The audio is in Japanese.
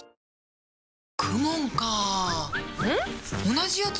同じやつ？